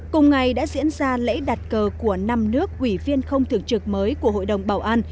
cùng ngày đã diễn ra lễ đặt cờ của năm nước ủy viên không thưởng trực mới của hội đồng bảo an